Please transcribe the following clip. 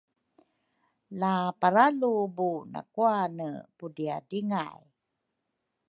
La paralubu nakwane pudriadringay